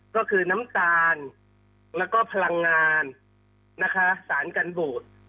ก็คือน้ำตาลแล้วก็พลังงานนะคะสารกันบูด